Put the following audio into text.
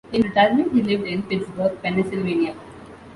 In retirement, he lived in Pittsburgh, Pennsylvania.